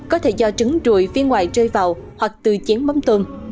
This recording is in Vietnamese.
có thể do trứng rùi phía ngoài rơi vào hoặc từ chén mắm tôm